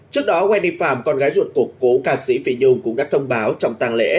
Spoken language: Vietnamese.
trước đó wendy phạm con gái ruột cổ cố ca sĩ phi nhung cũng đã thông báo trong tang lễ